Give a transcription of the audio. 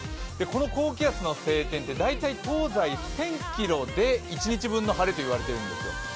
この高気圧の晴天って大体東西１０００ｋｍで１日分の晴れといわれているんですよ。